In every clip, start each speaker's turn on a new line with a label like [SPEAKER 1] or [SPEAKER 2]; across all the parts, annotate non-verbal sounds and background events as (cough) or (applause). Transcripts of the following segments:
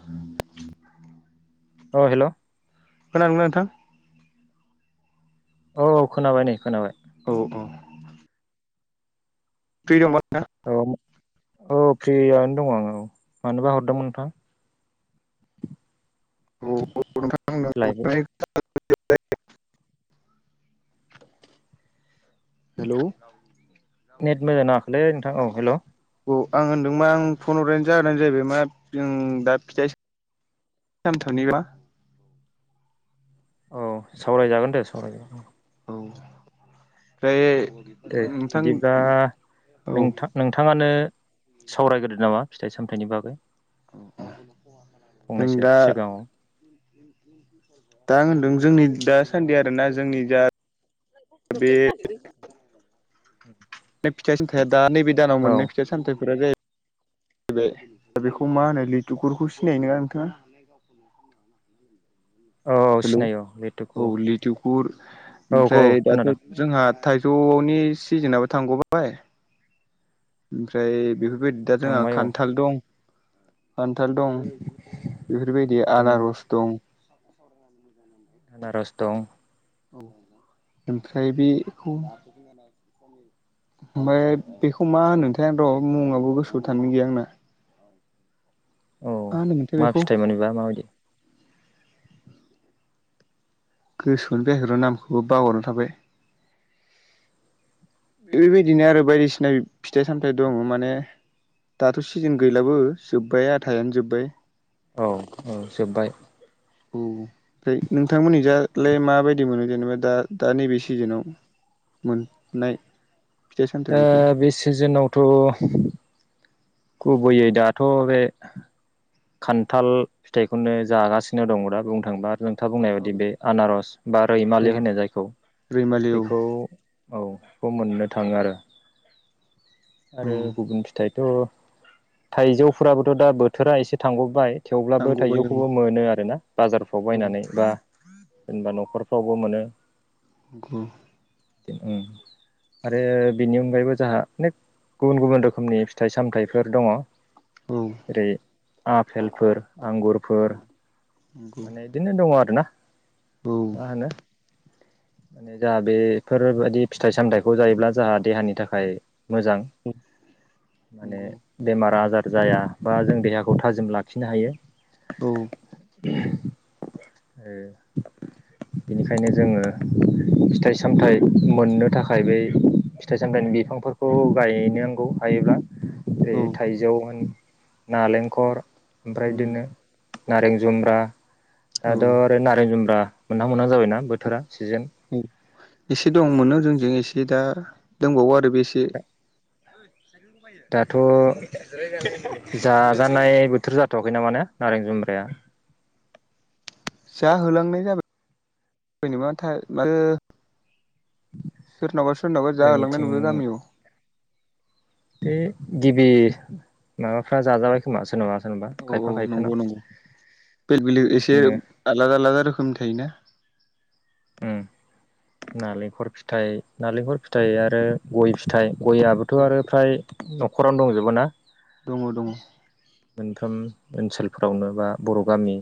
[SPEAKER 1] (inaudible)
[SPEAKER 2] अ hello
[SPEAKER 1] खोनांगोना नोंथां
[SPEAKER 2] औ खोनाबाय नै खोनाबाय
[SPEAKER 1] औ औ फ्रि दंबा नोंथाङा
[SPEAKER 2] औ औ फ्रियनो दङ आङो औ मानोबा हरदोंमोन नोंथां
[SPEAKER 1] (inaudible) नोंथां
[SPEAKER 2] लायेबाय
[SPEAKER 1] (unintelligible) हेलौ
[SPEAKER 2] नेट मोजां नाङाखलै नोंथां औ हेलौ
[SPEAKER 1] औ आं होनदों मा आं फन हरानो जाहानो जाहैबाय मा जों दा फिथाइ (unintelligible)
[SPEAKER 2] औ सावरायजागोन दे सावरायजागोन
[SPEAKER 1] औ बे
[SPEAKER 2] औ दे
[SPEAKER 1] नोंथां
[SPEAKER 2] बिदिब्ला
[SPEAKER 1] औ
[SPEAKER 2] नोंथां नोंथाङानो सावरायग्रोदो नामा फिथाइ सामथाइनि बागै
[SPEAKER 1] जों
[SPEAKER 2] फंनैसो
[SPEAKER 1] दा
[SPEAKER 2] सिगाङाव
[SPEAKER 1] (inaudible) दा होनदों जोंनि दासान्दि आरोना जोंनि जा बे
[SPEAKER 2] (unintelligible)
[SPEAKER 1] फिथाइ सामथाया दा नैबे दानाव
[SPEAKER 2] औ
[SPEAKER 1] मोननाय फिथाइ सामथायफोरा जाहै बाय दा बेखौ मा होनो लिथुगुरखौ सिनायो नोङा नोंथाङा
[SPEAKER 2] औ औ
[SPEAKER 1] हेलौ
[SPEAKER 2] सिनायो औ
[SPEAKER 1] औ
[SPEAKER 2] लेथुखौ
[SPEAKER 1] लिथुखुर
[SPEAKER 2] औ औ
[SPEAKER 1] ओमफ्राय दाथ
[SPEAKER 2] खोनादों
[SPEAKER 1] जोंहा थाइजौनि सिजेनाबो थांगबाय ओमफ्राय बेफोरबायदि दा जोंहा
[SPEAKER 2] थांबाय औ
[SPEAKER 1] खान्थाल दं खान्थाल दं बेफोरबायदि
[SPEAKER 2] बिदिनो
[SPEAKER 1] आनारस दं
[SPEAKER 2] आनारस दं
[SPEAKER 1] औ ओमफ्राय बेखौ (unintelligible) ओमफ्राय बेखौ मा होनो नोंथां आं र' मुङाबो गोसोआव थानाय गैया आंना
[SPEAKER 2] औ
[SPEAKER 1] होनोमोनथाय
[SPEAKER 2] मा
[SPEAKER 1] बेखौ
[SPEAKER 2] फिथाइमोन बेबा माबायदि
[SPEAKER 1] गोसोआवनो फैयाखै र नामखौबो बावगारना थाबाय बेबायदिनो आरो बायदिसिना फिथाइ सामथाइ दङ माने दाथ' सिजोन गैलाबो जोब्बाय आथायानो जोबबाय
[SPEAKER 2] औ औ जोब्बाय
[SPEAKER 1] औ ओमफ्राय नोंथांमोननिजालाय माबायदि मोनो जेनेबा दा दा नैबे सिजोनाव मोननाय फिथाइ
[SPEAKER 2] दा
[SPEAKER 1] सामथाइफोरखौ
[SPEAKER 2] बे सिजोनावथ' गुबैयै दाथ' बे खान्थाल फिथाइखौनो जागासिनो दं दा बुंनो थांबा नोंथां बुंनाय
[SPEAKER 1] औ
[SPEAKER 2] बायदि बे आनारस बा रैमालि
[SPEAKER 1] औ
[SPEAKER 2] होनो जायखौ
[SPEAKER 1] रैमालि औ
[SPEAKER 2] बेखौ औ खौ मोननो थाङो आरो आरो
[SPEAKER 1] औ
[SPEAKER 2] गुबुन फिथाइथ' थाइजौफोराबोथ' दा बोथोरा एसे थांगबाय थेवब्लाबो
[SPEAKER 1] नांगौबाय
[SPEAKER 2] थाइजौखौबो मोनो आरोना बाजार फ्राव
[SPEAKER 1] औ
[SPEAKER 2] बायनानै बा सोरनिबा न'खरफ्रावबो मोनो
[SPEAKER 1] गुबुन
[SPEAKER 2] उम आरो बिनि अनगायैबो जाहा अनेक गुबुन गुबुन रोखोमनि फिथाइ सामथाय फोर दङ
[SPEAKER 1] औ
[SPEAKER 2] जेरै आफेलफोर आंगुरफोर
[SPEAKER 1] नंगौ
[SPEAKER 2] माने बिदिनो दङ आरोना
[SPEAKER 1] औ
[SPEAKER 2] मा होनो जाहा बेफोरबायदि फिथाइ सामथाइखौ जायोब्ला जोंहा देहानि थाखाय मोजां माने
[SPEAKER 1] नंगौ
[SPEAKER 2] बेमार आजार जाया बा जों देहाखौ थाजिम लाखिनो हायो
[SPEAKER 1] औ (inaudible)
[SPEAKER 2] बेनिखायनो जोङो फिथाइ सामथाइ मोननो थाखाय बै फिथाइ सामथाइनि बिफांफोरखौ गायनोनांगौ हायोब्ला
[SPEAKER 1] औ
[SPEAKER 2] थाइजौ होन नालेंखर ओमफ्राय
[SPEAKER 1] उम
[SPEAKER 2] बिदिनो नारें जुमब्रा
[SPEAKER 1] औ
[SPEAKER 2] दाथ'
[SPEAKER 1] औ
[SPEAKER 2] ओरै नारें जुम्ब्रा मोनहां मोनहां जाबायना बोथोरा सिजोन
[SPEAKER 1] एसे दं मोनो जोंजों एसे दा दंबावो आरो बे एसे (inaudible)
[SPEAKER 2] बायो दाथ' जाजानाय बोथोर जाथ'वाखै नामाने नारें जुम्ब्राया
[SPEAKER 1] जाहोलांनाय जाबाय (unintelligible) सोरनावबा सोरनाबा जाहोहोलांनाय
[SPEAKER 2] जोंनिथिं
[SPEAKER 1] नुबाय गामियाव
[SPEAKER 2] बे गिबि माबाफ्रा जाजाबाय सोरबा सोरनबा सोरबा
[SPEAKER 1] औ औ
[SPEAKER 2] खायफा
[SPEAKER 1] नंगौ
[SPEAKER 2] खायफा
[SPEAKER 1] नंगौ बेलेग बेलेग एसे
[SPEAKER 2] बिदिनो
[SPEAKER 1] आलादा आलादा रोखोमनि थायो ना
[SPEAKER 2] उम नालेंखर फिथाय नालेंखर फिथाइ आरो गय फिथाइ गयाबो थ' आरो फ्राय न'खरावनो दंजोबो ना
[SPEAKER 1] दङ दङ
[SPEAKER 2] मोनफ्रोम ओनसोलफोरावनो बा बर' गामि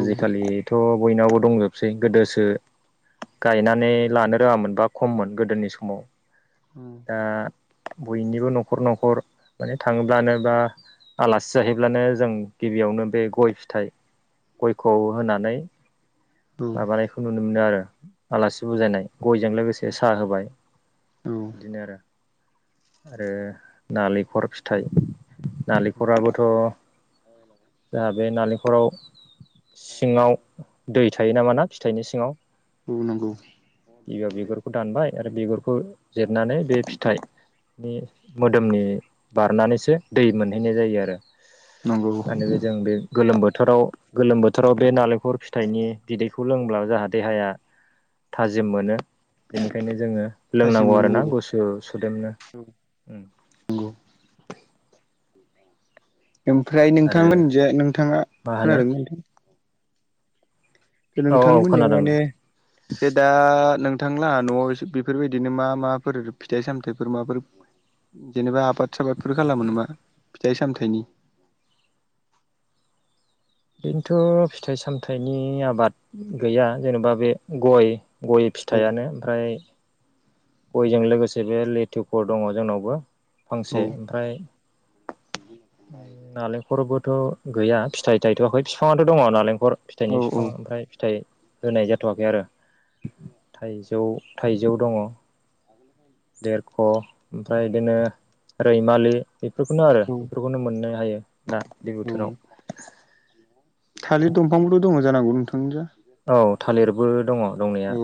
[SPEAKER 2] आजिखालि थ' बयनावबो दंजोबसै गोदोसो गायनानै लानो रोङामोन बा खममोन गोदोनि समाव
[SPEAKER 1] (unintelligible)
[SPEAKER 2] दा बयनिबो न'खर न'खर माने थाङोब्लानो बा आलासि जाहैब्लानो जों गिबियावनो बे गय फिथाइ गयखौ होनानै माबानायखौ नुनो मोनो आरो आलासि बुजायनाय गयजों लोगोसे साहा होबाय
[SPEAKER 1] औ
[SPEAKER 2] बिदिनो आरो नालेंखर फिथाइ नालेंखराबो थ' जोंहा बे नालेंखराव सिङाव दै थायो नामा ना फिथाइनि सिङाव
[SPEAKER 1] उम नंगौ
[SPEAKER 2] गिबियाव बिगुरखौ दानबाय आरो बिगुरखौ जिरनानै बे फिथाइ नि मोदोमनि बारनानैसो दै मोनहैनाय जायो आरो
[SPEAKER 1] नंगौ
[SPEAKER 2] माने बे जों बे गोलोम बोथोराव गोलोम बोथोराव बे नालें हखर फिथाइनि बिदैखौ लोंब्ला जोंहा देहाया थाजिम मोनो। बेनिखायनो जोङो
[SPEAKER 1] थाजिम
[SPEAKER 2] लोंनांगौ
[SPEAKER 1] मोनो
[SPEAKER 2] आरोना
[SPEAKER 1] औ
[SPEAKER 2] गुसु सुदेमनो।
[SPEAKER 1] नों गु (unintelligible) ओमफ्राय
[SPEAKER 2] आरो
[SPEAKER 1] नोंथांमोन जे नोंथाङा
[SPEAKER 2] मा होनो
[SPEAKER 1] खोनादोंमोन नोंथां।
[SPEAKER 2] औ औ
[SPEAKER 1] नोंथांमोननियाव माने
[SPEAKER 2] खोनादोंनो
[SPEAKER 1] जे दा नोंथांलाहा न'आव बेफोरबायदिनो मा माफोर फिथाइ सामथाइफोर माबाफोर जेनेबा आबाद साबादफोर खालामोबा फिथाइ सामथाइनि
[SPEAKER 2] बेनोथ' फिथाइ सामथाइनि आबाद गैया जेनेबा बे गय गय
[SPEAKER 1] औ
[SPEAKER 2] फिथाइनो ओमफ्राय गयजों लोगोसे बे लेथुफोर दङ जोंनावबो फांसे ओमफ्राय
[SPEAKER 1] बि
[SPEAKER 2] नालेंखरबोथ' गैया फिथाइ थायथ'वाखै बिफाङाथ' दङ नालेंखर फिथाइनि
[SPEAKER 1] औ औ
[SPEAKER 2] बिफां ओमफ्राय फिथाइ होनाय जाथ'वाखै आरो थाइजौ थाइजौ दङ।
[SPEAKER 1] आगोलोखाय (unintelligible)
[SPEAKER 2] देरख' ओमफ्राय बिदिनो रैमालि बेफोरखौनो आरो
[SPEAKER 1] औ
[SPEAKER 2] बेफोरखौनो मोननो हायो दा बे
[SPEAKER 1] औ
[SPEAKER 2] बोथोराव
[SPEAKER 1] थालिर दंफांथ' दङ जानांगौ नोंथांनिजों
[SPEAKER 2] औ थालिरबो दङ दंनाया।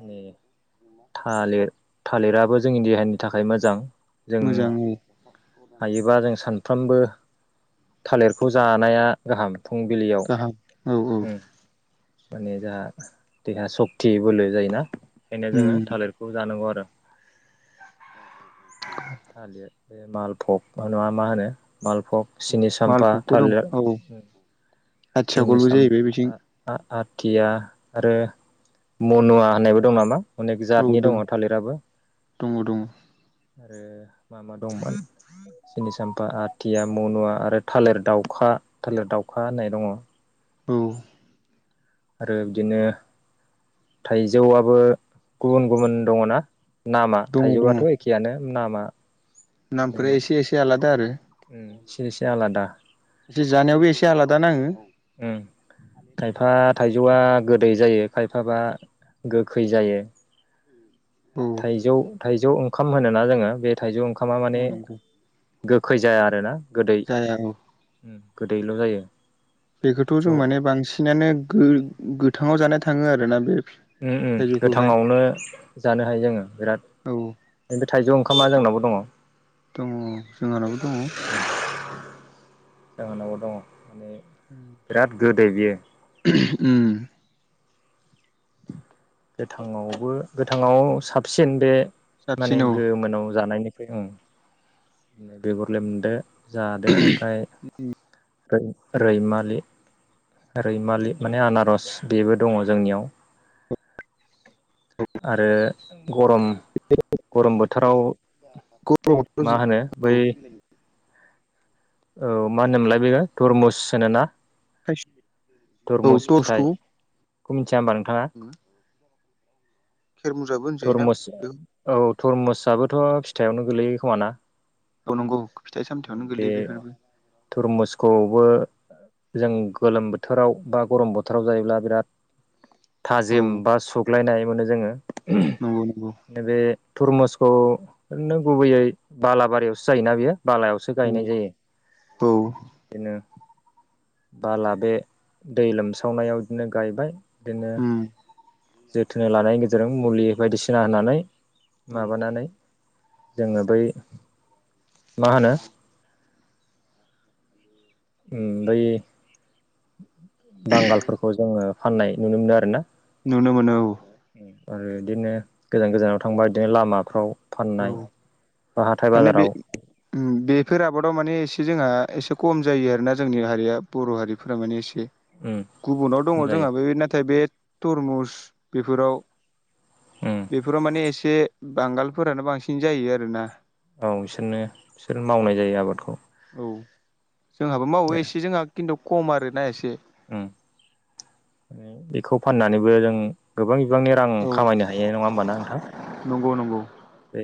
[SPEAKER 2] माने थालिर थालिराबो जोंनि देहानि थाखाय मोजां। जों
[SPEAKER 1] मोजां औ
[SPEAKER 2] हायोबा जों सानफ्रोमबो थालिरखौ जानाया गाहाम फुंबिलियाव
[SPEAKER 1] गाहाम औ औ।
[SPEAKER 2] उम माने जों देहा सक्ति बोलो जायोना बेखायनो जोङो
[SPEAKER 1] उम
[SPEAKER 2] थालिर बे जानांगौ आरो थालिया बे मालभग ना मा होनो मालभग
[SPEAKER 1] औ
[SPEAKER 2] सिनि साम्फा
[SPEAKER 1] मालभगबो दं
[SPEAKER 2] थालिर
[SPEAKER 1] औ
[SPEAKER 2] सिनि
[SPEAKER 1] आथियाखलबो
[SPEAKER 2] साम
[SPEAKER 1] जाहैबाय बिथिं
[SPEAKER 2] आथिया आरो मनुवा होननायबो दं नामा? अनेक
[SPEAKER 1] औ
[SPEAKER 2] जातनि दङ
[SPEAKER 1] दं
[SPEAKER 2] थालिराबो
[SPEAKER 1] दङ दङ
[SPEAKER 2] आरो। मा मा दंमोन। सिनि साम्फा आथिया मनु आरो थालिर दाउखा थालिर दाउखा होननाय दङ।
[SPEAKER 1] औ।
[SPEAKER 2] आरो बिदिनो थाइजौआबो गुबुन गुबुन दङ ना। नामा
[SPEAKER 1] दङ दङ
[SPEAKER 2] थाइजौथ' एखेयानो नामा।
[SPEAKER 1] नामफोरा एसे एसे आलादा आरो।
[SPEAKER 2] एसे एसे आलादा।
[SPEAKER 1] एसे जानायावबो एसे आलादा नाङो।
[SPEAKER 2] उम। खायफा थाइजौआ गोदै जायो खायफाबा गोखै जायो।
[SPEAKER 1] औ
[SPEAKER 2] थाइजौ थाइजौ ओंखाम होनोना जोङो बे थाइजौ ओंखामा माने
[SPEAKER 1] औ नंगौ
[SPEAKER 2] गोखै जाया आरोना गोदै
[SPEAKER 1] जाया औ
[SPEAKER 2] गोदैल' जायो।
[SPEAKER 1] बेखौथ' जों
[SPEAKER 2] बेखौ
[SPEAKER 1] माने बांसिनानो गो-गोथाङाव जानाय थाङो आरोना बे थाइजौखौहाय
[SPEAKER 2] गोथाङावनो जानो हायो जोङो बिराद
[SPEAKER 1] औ
[SPEAKER 2] बेफ्राय थायजौ ओंखामा जोंनावबो दङ।
[SPEAKER 1] जोंहालाबो दङ।
[SPEAKER 2] जाहोनाव दङ माने
[SPEAKER 1] (inaudible)
[SPEAKER 2] बिराद गोदै बियो।
[SPEAKER 1] उम।
[SPEAKER 2] गोथांङावबो गोथाङाव साबसिन बे
[SPEAKER 1] साबसिन
[SPEAKER 2] माने
[SPEAKER 1] औ
[SPEAKER 2] गोमोनाव जानायनिफ्राय आं बेगुर लेमदो जादो ओमफ्राय रैमालि रैमालि माने आनारस बेबो दङ जोंनियाव आरो गरम गरम बोथोराव
[SPEAKER 1] (unintelligible)
[SPEAKER 2] मा होनो बै
[SPEAKER 1] औ
[SPEAKER 2] औ मा होनोमोनलाय बेयो धरमुस होनो ना
[SPEAKER 1] औ
[SPEAKER 2] धरमुस
[SPEAKER 1] टर्सखौ
[SPEAKER 2] फिथाइखौ मिथिया होमबा नोंथाङा
[SPEAKER 1] (inaudible) खेर मुजाबो
[SPEAKER 2] थरमुस औ थरमुसाबोथ' फिथाइआवनो गोलैयो खोमाना
[SPEAKER 1] औ नंगौ फिथाइ सामथायावनो गोलैयो बेफोरबो
[SPEAKER 2] तरमुसखौबो जों गोलोम बोथोराव बा गरम बोथोराव जायोब्ला बिराद
[SPEAKER 1] औ
[SPEAKER 2] थाजिम बा सुग्लायनाय मोनो जोङो
[SPEAKER 1] नंगौ नंगौ
[SPEAKER 2] बे थरमुसखौ ओरैनो गुबैयै बालाबारियावसो जायोना बेयो बालायावसो
[SPEAKER 1] औ
[SPEAKER 2] गायनाय जायो बिदिनो बाला बे दै लोमसावनायाव बिदिनो गायबाय बिदिनो
[SPEAKER 1] उम
[SPEAKER 2] जोथोन लानायनि गेजेरजों मुलि बायदिसिना होनानै
[SPEAKER 1] औ
[SPEAKER 2] माबानानै जोङो बै मा होनो
[SPEAKER 1] (inaudible)
[SPEAKER 2] बै बांगालफोरखौ जोङो फाननाय नुनो मोनो आरोना
[SPEAKER 1] नुनो मोनो औ
[SPEAKER 2] आरो बिदिनो गोजान गोजानाव थांबा बिदिनो लामाफ्राव
[SPEAKER 1] औ
[SPEAKER 2] फाननाय बा हाथाय
[SPEAKER 1] माने बे
[SPEAKER 2] बाजाराव
[SPEAKER 1] बेफोर आबादाव माने एसे जोंहा एसे खम जायो आरोना जोंनि हारिया बर' हारिफोरा माने एसे गुबुनाव
[SPEAKER 2] खम
[SPEAKER 1] दङ
[SPEAKER 2] जायो
[SPEAKER 1] जोंहा बे नाथाय बे तरमुस बेफोराव
[SPEAKER 2] उम
[SPEAKER 1] बेफोराव माने एसे बांगालफोरानो बांसिन जायो आरोना
[SPEAKER 2] औ बिसोरनो बिसोर मावनाय जायो आबादखौ
[SPEAKER 1] औ जोंहाबो मावो एसे जोंहा खिन्थु खम आरोना एसे
[SPEAKER 2] ओ बेखौ फाननानैबो जों गोबां बिबांनि रां
[SPEAKER 1] औ
[SPEAKER 2] खामायनो हायो नङा होमबाना नोंथां
[SPEAKER 1] नंगौ नंगौ
[SPEAKER 2] बे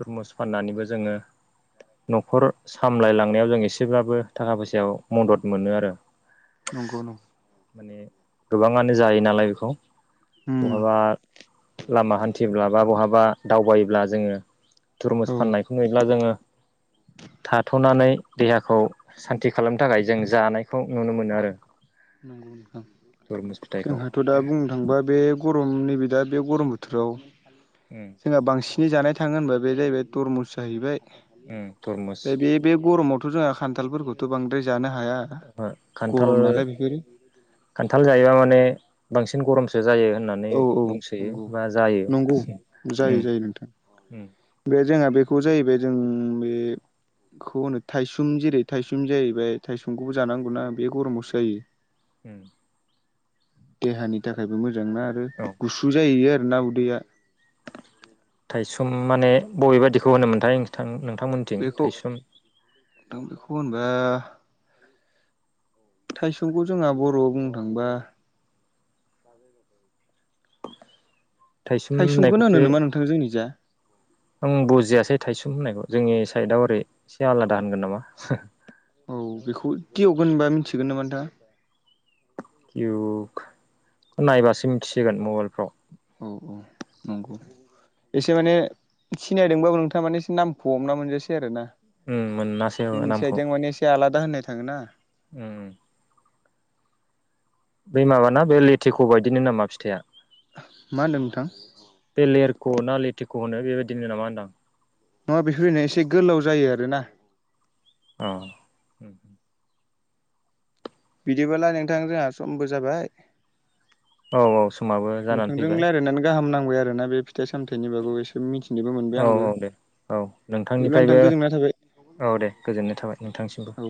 [SPEAKER 2] थरमुस फाननानैबो जोङो न'खर सामलायलांनायाव जों एसेब्लाबो थाखा फैसायाव मदद मोनो आरो
[SPEAKER 1] नंगौ
[SPEAKER 2] माने गोबाङानो जायो नालाय बेखौ
[SPEAKER 1] उम
[SPEAKER 2] बहाबा लामा हान्थिब्ला बा बहाबा दावबायोब्ला जोङो थुरमुस
[SPEAKER 1] औ
[SPEAKER 2] फाननायखौ नुयोब्ला जोङो थाथ'नानै देहाखौ सान्ति खालामनो थाखाय जों जानायखौ नुनो मोनो आरो
[SPEAKER 1] नंगौ नोंथां
[SPEAKER 2] थरमुस फिथाइखौ
[SPEAKER 1] जोंहाथ' दा बुंनो थांबा बे गरम नैबे दा बे गरम बोथोराव
[SPEAKER 2] उम
[SPEAKER 1] जोंहा बांसिनै जानाय थाङो होनबा बे जाहैबाय तरमुस जाहैबाय
[SPEAKER 2] उम थरमुस
[SPEAKER 1] ओमफ्राय बे बे गरमावथ' जोंहा खान्थालफोरखौथ' बांद्राय जानो हाया
[SPEAKER 2] खान्थाल
[SPEAKER 1] गरम नालाय बेफोरो
[SPEAKER 2] खान्थाल जायोबा माने बांसिन गरमसो जायो होननानै
[SPEAKER 1] औ
[SPEAKER 2] नानै
[SPEAKER 1] औ
[SPEAKER 2] बुंसोयो
[SPEAKER 1] नंगौ
[SPEAKER 2] बा जायो
[SPEAKER 1] नंगौ जायो जायो नोंथां बे जोंहा बेखौ जाहैबाय जों बे बेखौ थायसुम जेरै थायसुम जाहैबाय थाइसुमखौबो जानांगौना बे गरमावसो जायो (inaudible)
[SPEAKER 2] उम
[SPEAKER 1] देहानि थाखायबो मोजां ना आरो
[SPEAKER 2] औ
[SPEAKER 1] गुसु जाहैयो आरो ना उदैया।
[SPEAKER 2] थाइसुम माने बबेबायदिखौ होनोमोनथायां नोंथांमोन?
[SPEAKER 1] बेखौ बेखौ होनबा। थाइसंखौ जोंहा बर'आव बुंनो थांङोबा ज ज होनो
[SPEAKER 2] थाइसोमनायखौसो
[SPEAKER 1] नामा नोंथां जोंनि जा
[SPEAKER 2] आं बुजियासै थायसुम होननायखौ जोंनि साइदआव ओरै एसे आलादा होनगोन नामा?
[SPEAKER 1] औ बेखौ दिवगोन होनबा मिथिगोन नामा नोंथां।
[SPEAKER 2] कगखौ नायबासो मिथिसिगोन मबाइलफ्राव।
[SPEAKER 1] औ औ नंगौ। एसे माने सिनायदोंबाबो नोंथाङा माने एसे नामखौ हमना मोनजासै आरो ना।
[SPEAKER 2] उम मोनासै आङो
[SPEAKER 1] जोंनि
[SPEAKER 2] नामखौ
[SPEAKER 1] साइडजों माने एसे आलादा होननाय थाङो ना
[SPEAKER 2] उम बै माबाना बे लेथिख' बायदिनो नामा फिथाइआ?
[SPEAKER 1] मा होनदों नोंथां?
[SPEAKER 2] बे लेरखौ ना लेथिखौ होनो बेबायदिनो नामा होनदां
[SPEAKER 1] नङा बेफोरनाय एसे गोलाव जायो आरो ना।
[SPEAKER 2] औ। उम
[SPEAKER 1] बिदिबोला नोंथां जोंहा समबो जाबाय।
[SPEAKER 2] औ औ समाबो जानानै
[SPEAKER 1] नोंथांजों
[SPEAKER 2] फैबाय
[SPEAKER 1] रायजलायनानै गाहाम नांबाय आरोोना बे फिथाइ सामथायाइनि बागै एसे। जोब मिथिनोबो मोनबाय
[SPEAKER 2] औ
[SPEAKER 1] आंबो
[SPEAKER 2] औ दे औ
[SPEAKER 1] बिदिब्ला
[SPEAKER 2] नोंथांनिफ्रायबो
[SPEAKER 1] नोंथां गोजोनना थाबाय।
[SPEAKER 2] औ दे गोजोननाय थाबाय नोंथांसिमबो।
[SPEAKER 1] औ